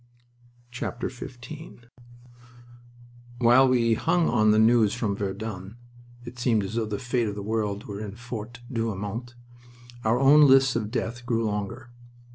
XV While we hung on the news from Verdun it seemed as though the fate of the world were in Fort Douaumont our own lists of death grew longer.